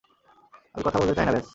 আমি কথা বলতে চাই না, ব্যস!